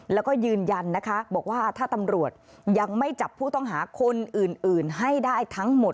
แล้วก็ยืนยันนะคะบอกว่าถ้าตำรวจยังไม่จับผู้ต้องหาคนอื่นให้ได้ทั้งหมด